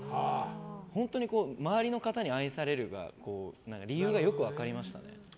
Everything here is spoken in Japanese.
本当に周りの方に愛される理由がよく分かりました。